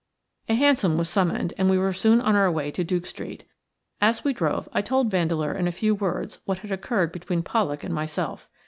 A hansom was summoned, and we were soon on our way to Duke Street As we drove I told Vandeleur in a few words what had occurred between Pollak and myself.